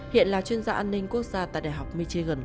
hiện là chuyên gia an ninh quốc gia tại đại học michigan